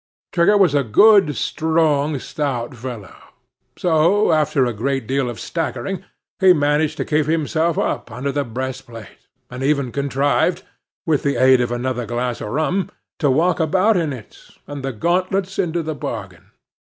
Twigger was a good strong, stout fellow; so, after a great deal of staggering, he managed to keep himself up, under the breastplate, and even contrived, with the aid of another glass of rum, to walk about in it, and the gauntlets into the bargain.